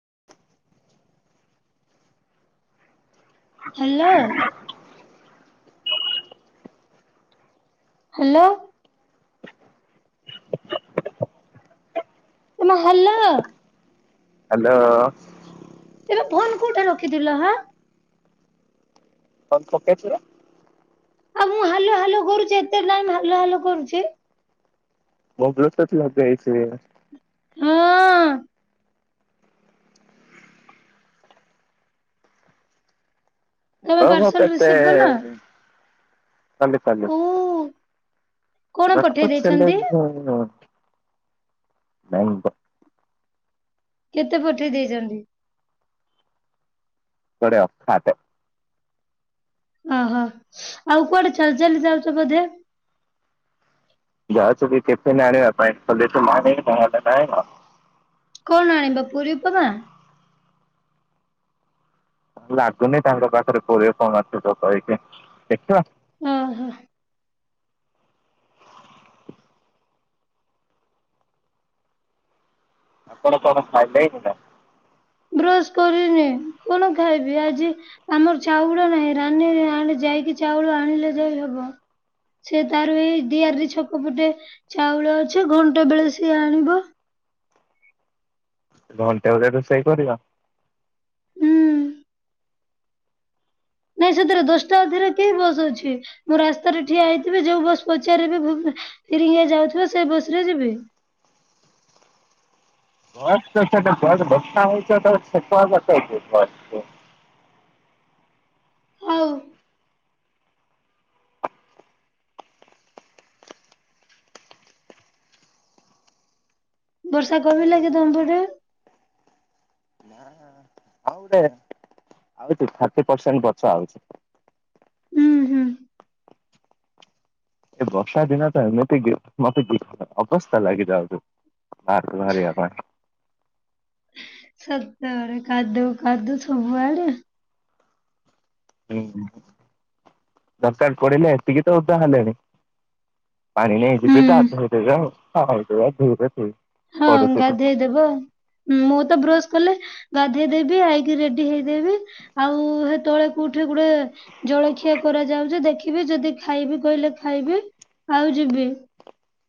[inaudible] Hello hello. ଏମା hello. Hello. ଏବେ phone କୋଉଠି ରଖିଥିଲ ହା। ତମ ପକେଟେ ରେ। ଆଉ ମୁଁ ହାଲୋ ହାଲୋ କରୁଚି। ଏତେ ଟାଇମ ହାଲୋ ହାଲୋ କରୁଚି। ମୁଁ ବ୍ଲୁଟୁଥ ଲଗେଇଚି ଏଇନା। ହଁ। ତମେ ଓହୋ ପାର୍ସଲ କେଟେ। ରିସିଭ କଲ ଓ [unintelligible] କଣ ପଠେଇ ନାଇଁ ଦେଇଛନ୍ତି ବ କେତେ ପଠେଇ ଦେଇଛନ୍ତି? ବଢିଆ ଅଖାତେ। ଓହୋ ଆଉ କୁଆଡେ ଚାଲି ଚାଲି ଯାଉଚ ବୋଧେ? ଯାଉଚି କି ଟିଫିନ ଆଣିବା ପାଇଁ। [unintelligible] କଣ ଅଣିବ ପୁରୀ ଉପମା। ଲାଗୁନି ତାଙ୍କ ପାଖରେ ପୁରୀ ଉପମା ଥିବା କହିକି ଦେଖିବା। ଉଁ ହୁଁ। ଆପଣ କଣ ଖାଇଲେଣିନା। ବ୍ରଶ କରିନି କଣ ଖାଇବି ଆଜି ଆମର ଚାଉଳ ନାହିଁ। ରାନି ଆଣି ଯାଇ ଯାଇକି ଚାଉଳ ଆଣିଲେ ଯାଇ ହବ। ସିଏ ତାର ଏଇ ଦିଆରବି ଛକ ପଟେ ଚାଉଳ ଅଛି। ଘଣ୍ଟା ବେଳେ ସିଏ ଆଣିବ। ଘଣ୍ଟେ ପରେ ରୋଷେଇ କରିବ। ହୁଁ। ନାଇଁ ସେଥିରେ ଦଶଟାଧରେ କେଇ ବସ୍ ଅଛି। ମୁଁ ରାସ୍ତାରେ ଠିଆ ହେଇଥିବି। ଯୋଉ ବସ ପଚାରିବି ଭୁବନେ ଫିରିଙ୍ଗିଆ ଯାଉଥିବେ ସେ ବସ ରେ ଯିବେ। ବସ ବର୍ଷା ହେଉଛ [unintelligible] ହଉ। ବର୍ଷା କମିଲାକି ତମପଟେ? ଆଉ ଗୋଟେ ଆଉଚି ଥାର୍ଟି ପରସେଣ୍ଟ ବଛା ହଉଚି। ହୁଁ ହୁଁ ଏ ବର୍ଷାଦିନଟା ଏମିତି କି ଅବସ୍ତା ଲାଗି ଯାଉଚି। ବାହାର କୁ ବାହାରିଆ ପା। ସତରେ କାଦୁଅ କାଦୁଅ ସବୁଆଡେ। ହୁଁ ଦରକାର ପଡିଲେ ଏତିକି ତ ଉଦା ହେଲେଣି। ପାଣି ନେଇଯିବିତ ହୁଁ [unintelligible] ହଁ ଗାଧେଇଦବ। ମୁଁ ତ ବ୍ରସ୍ କଲେ ଗାଧେଇଦବି ଆଇକି ରେଡି ହେଇଦେବି। ଆଉ ହେତବେଳେ କୋଉଠି ଗୋଟେ ଜଳଖିଆ କରି କରାଯାଉଛି ଦେଖିବି ଯଦି ଖାଇବି କହିଲେ ଖାଇବେ ଆଉ ଯିବେ।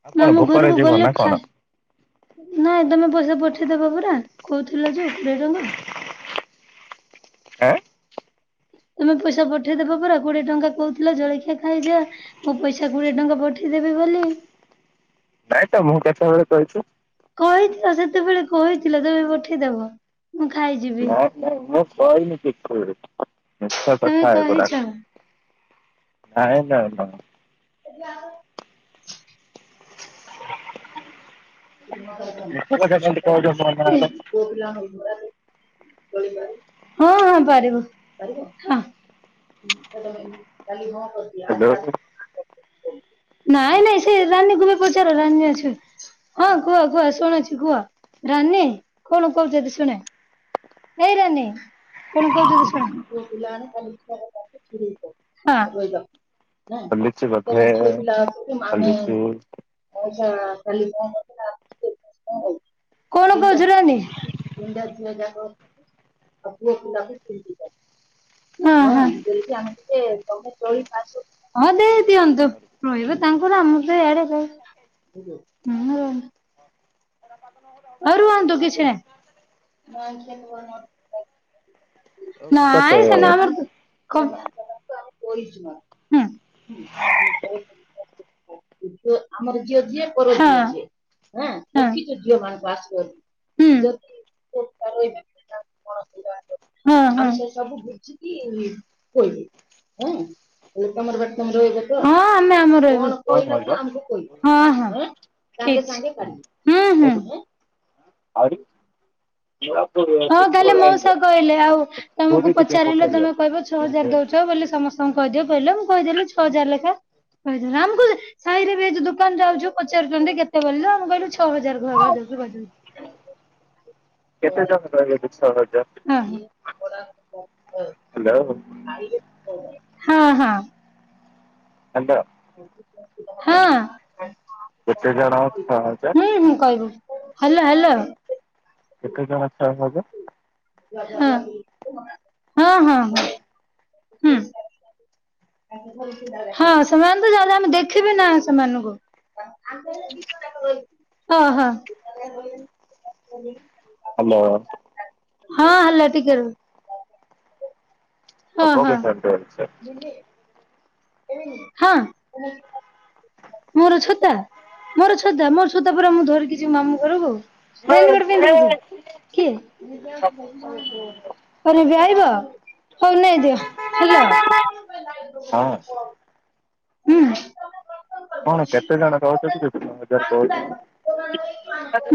ଆଉ କଣ ମାମୁଁ ଭୋକରେ ଘରକୁ ଯିବ ନା ଗଲେ କଣ ଖାଏ। ନାଇଁ ତମେ ପଇସା ପଠେଇଦବ ପରା କହୁଥିଲ ଯୋଉ କୋଡିଏ ଟଙ୍କା। ଆଁ? ତମେ ପଇସା ପଠେଇଦବ ପରା କୋଡିଏ ଟଙ୍କା କହୁଥିଲ ଜଳଖିଆ ଖାଇଯା। ମୁଁ ପଇସା କୋଡିଏ ଟଙ୍କା ପଠେଇଦେବି ବୋ ବୋଲି। ନାଇଁ ତ ମୁଁ କେତେବେଳେ କହିଛୁ। କହିଥିଲା ସେତେବେଳେ କହିଥିଲା ତମେ ପଠେଇଦବ। ମୁଁ ଖାଇଯିବି ନାଇଁ ନାଇଁ ମୁଁ କହିନି କିଛି ମିଛ ତମେ କଥା ଏଗୁଡା। କହିଛ ନାଇଁ ନା ନା। [inaudible] ମିଛ କଥା କେମିତି କହୁଛ ମୋ ନାଁରେ। [inaudible] [inaudible] [inaudible] [unintelligible] ନାଇଁ ନାଇଁ ସେ ରାନୀ କୁ ବି ପଚାର ରନୀ ଅଛନ୍ତି। ହଁ କୁହ କୁହ ଶୁଣଛି କୁହ ରାନୀ କଣ କହୁଛନ୍ତି ଶୁଣେ? ହେଇ ରାନୀ କଣ କହୁଛନ୍ତି ଶୁଣି ପୁଅ ପିଲାରା ହଁ ଖୋଲିଛି ବୋଧେ ଖୋଲିଛି। ଆଉ [inaudible] [unintelligible] [inaudible] [inaudible] [inaudible] [unintelligible] [inaudible] ମୁଁ ତତେ [inaudible] [inaudible] [inaudible] [inaudible] [inaudible] କଣ କହିଲ [inaudible] ଆହୁରି [inaudible] ଆହୁରି ଯିବା ପଡିବ ଶୁକ୍ରବାର ଆଣିବା ପୁରୀ ଟିକେ ପକେଇବା। [unintelligible] [unintelligible] [unintelligible] [inaudible] କେତେ ଜଣ ରହିବେ କି? [unintelligible] ହେଲୋ। ହଁ ହଁ। ଏନ୍ତ ହଁ। କେ ଜଣ ଛଅ ହଜାର ହୁଁ ହୁଁ କହିବୁ ହ୍ୟାଲୋ ହ୍ୟାଲୋ। କେତେ ଜଣ ଛଅ ହଜାର? ହଁ ହଁ ହଁ ହୁଁ। ହଁ ସେମାନେ ତ ଯା ଆମେ ଦେଖିବେ ନା ସେମାନଙ୍କୁ। ହଁ ହଁ। ହାଲୋ। ହଁ ହାଲୋ ଟିକେ ରୁହ। ହଁ ଆପଣ ହଁ କହିଥାନ୍ତେ ସାର୍। ହଁ। ମୋର ଛତା ମୋର ଛତା ମୋର ଛତା ପରା ମୁଁ ଧରିକି ଯିବି ମାମୁ ଘରକୁ। [unintelligible] ହଁ [unintelligible] ହୁଁ। କଣ କେତେ ଜଣ କହୁଛନ୍ତି ହଜାର କହୁଛନ୍ତି?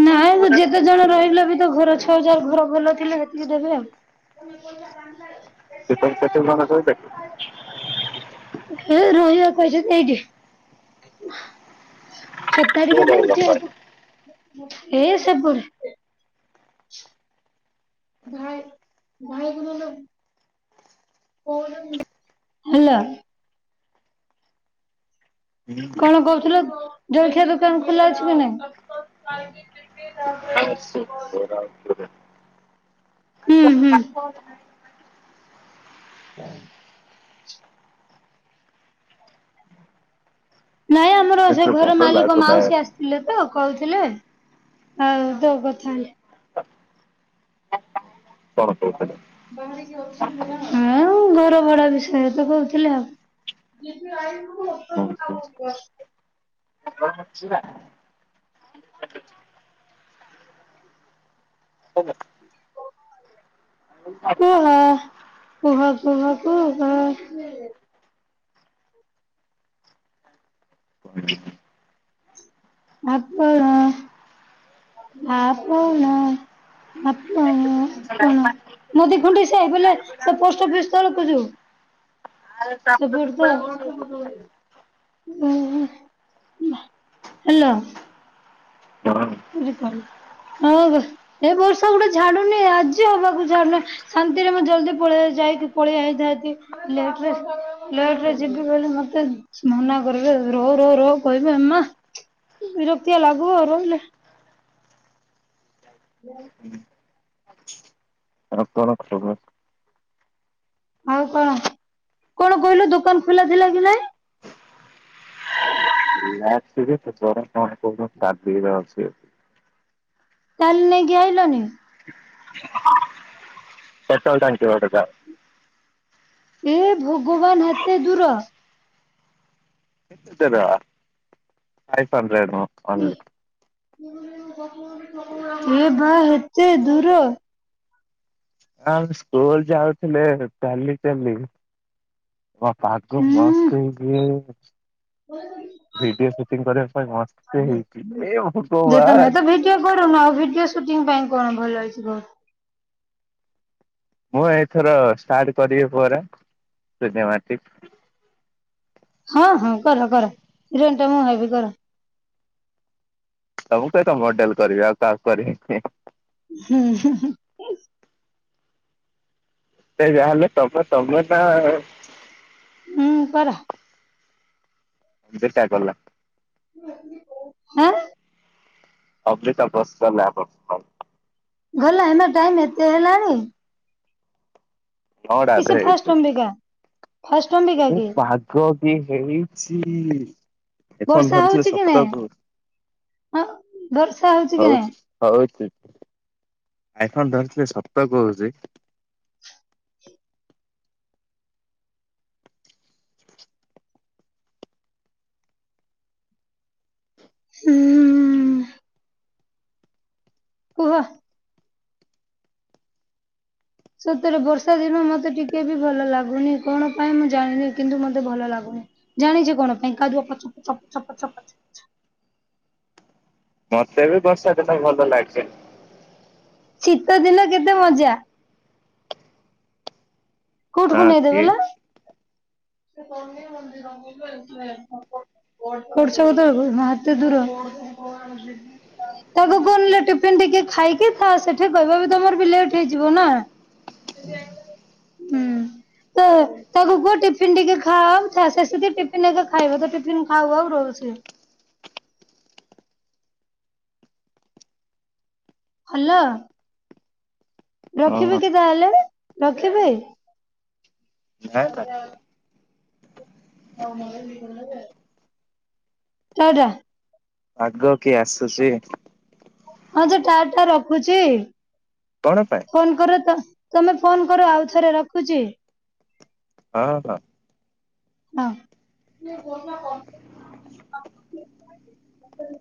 ନାଇଁ ଯେତେ ଜଣ ରହିଲେ ବି ତ ଘର ଛଅଜାର ଘର ଭଲ ଥିଲେ ସେତିକି ଦେବେ ଆଉ। [inaudible] [inaudible] [inaudible] [inaudible] [inaudible] [inaudible] ରହିବା କହିଛନ୍ତି ଏଇଠି। ଛତା କିଏ ଟିକେ ରହିବ ଦଉଛି କହ? ଆକୁ ଏ ସେପୁର ଘାାଇ ଘାାଇ ଗୁ ଲ ହେଲା କଣ କହୁଥିଲ ଜଳଖିଆ ଦୋକାନ ଖୋଲା ଅଛି କି ନାଇଁ ୟ ହୁଁ ହୁଁ ହ ନାଇଁ ଆମର ସେ କିନ୍ତୁ ଘର ଭଲ ମାଲିକ ଲାଗୁନାହିଁ ମାଉସୀ ଆସିଥିଲେ ତ କହୁଥିଲେ ଆଉ ତୋ କଥା କଣ କହୁଥିଲେ? ହଁ ଘର ଭଡ ବିଷୟରେ ତ କହୁଥିଲେି ଆଉ ଯେପି ଆଇନ ମ ହଁ ଅତ୍ୟନ୍ତ ନାମ ଆସ ଯିବା କ କୁ ହ କୁହ କୁ କ କ ଆପଣ ଆପଣ ଆପଣ ଲାଇ ନଦୀ ଖୁଣ୍ଡିେଇ ସେ ବଲେ ସେ ପୋଷ୍ଟ ଅଫିସ ତଳକୁ ଯିବ ଖବର ତ ହ ହ ହେଲ ବୁ କଲ ହଁ ଏ ବର୍ଷା ଗୋଟେ ଛାଡୁନି ଆଜି ହବାକୁ ଛାଡୁନି ଶାନ୍ତିରେ ମୁଁ ଜଲଦି ପଳେଇ ଯାଇଛି ଯାଇକି ପଳେଇଆଇଥାନ୍ତି ଲଟରେ ଯିବି ବୋଲି ମତେ ମନା କରିବ ରହୁ ରହୁ ରହୁ କହିବି ଏମା ବିରକ୍ତିଆ ଲାଗିବ ଆଉ ରହିଲେ ହଁ ଆ କଣ ଆଉ କଣ କଣ କହିଲୁ ଦୋକାନ ଖୋଲା ଥିଲା କି ନାଇଁ ର ଚା ଦ ଯ ଅଛିକି ତାହଲେ ନେଇାଇକି ଆଇଲନି ପେଟ୍ରୋଲ ଟାଙ୍କ ଏ ଭଗବାନ ହାତ ଦୂର ଫାଇ୍ ହଣ୍ଡ୍ରେଡ ନ ଅନ୍ଲି ହେ ବା ହେତେ ଧର ଆଉ ସ୍କୁଲ ଯାଉଥିଲେ ଚାଲି ଚାଲି ଓ ପା ମସ୍ ହେଇି ହ କରିବା ପାଇଁ ମସ୍ତ ହେଇଛି ଏ ଯେ ତମେ ଭଗବାନ ତ ଭିଡିଓ କରୁନ ଆଉ ଭିଡିଓ ସୁଟି ପାଇଁ କଣ ଭଲ ଅଛି ଘର ମୁଁ ଏଇଥର ଷ୍ଟାର୍ଟ କରିବି ପରେ ସୁ ମାଟି ହଁ ହଁ କର କରରେନ୍ଟା ମୁ ବି କର ତ ମୁଁ କହି ତ ମଡେଲ କରିବି ଆଉ କ କରିବି କି ହୁଁ ହଁ ସେ ଯାହାହେଲେ ତମ ତମ ନା ଉଁ ପ ଦେଟ ଆକୁଲା ହଁ ଅଫ୍ରିକା ପାକାନ ନା ପାକିସ୍ତାନ ଗଲ ଏମ ଟାଇମ ଏତେ ହେଲାଣି ନଅଟା କି ଅଧେ ସେ ଫାଷ୍ଟ ହେଇଛି। ଅମ୍ବିକା ଫାଷ୍ଟ ଅମ୍ବିକା କି ଇଏ ହେଇଛି! ଏଥର ବର୍ଷା ଧରିଥିଲେ ହଉଛି କି ନାଇଁ ସପ୍ତକୁ। ହଁ ବର୍ଷା କି ନାଇଁ ହଉଛି, ହଉଛି। ଆଇଫୋନ୍ ଧରିଥିଲେ, ସତ କହୁଛି। ହୁଁ- ଉଁ କୁହ। ସତରେ, ବର୍ଷା ଦିନ ମତେ ଟିକେ ବି ଭଲ ଲାଗୁନି। କଣ ପାଇଁ ମୁଁ ଜାଣିନି? କିନ୍ତୁ ମତେ ଭଲ ଲାଗୁନି। ଜାଣିଛୁ କଣ ପାଇଁ? କାଦୁଅ ପଚ ପଚ ପଚ ପଚ ପଚ। ମତେ ବି ବର୍ଷା ଦିନ ଭଲ ଲାଗେ ନି? ଶୀତ ଦିନ କେତେ ମଜା। କୋଉଠୁକୁ ହଁ ନେଇଦେବେ କି ଲା? ସେ ଶନି ମନ୍ଦିର [inaudible] [unintelligible] ଏତେ ଦୂର! ତାକୁ କଣଲେ ଟିଫିନ୍ ଟିକେ ଖାଇକି ଥା ସେଠି କହିବ। ବି ତମର ଲେଟ୍ ହେଇଯିବ ନା! ହୁଁ। ତ, ତାକୁ କୁହ ଟିଫିନ୍ ଟିକେ ଖା-ଆ-ଉଥା। ସେ ସେଠି ଟିଫିନ୍ ହେକା ଖାଇବ। ଟିଫିନ୍ ଖାଉ ଆଉ ରହୁ ସେ। [inaudible] ହଲ! ହଁ ରଖିବି କି ତାହେଲେ, ରଖିବି। ନା ନା ଆଜ୍ଞା। ଟା, ଟା। ଆଗ କିଏ ଆସୁଛି? ହଁ, ଯେ ଟାର୍ ଟା ରଖୁଛି। କଣ ପାଇଁ ଫୋନ୍ କର ତ ତମେ ଫୋନ୍ କର ଆଉଥରେ ରଖୁଛି। ହଁ, ହଁ। ହଁ। [inaudible]